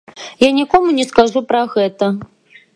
Я нікому не скажу пра гэта.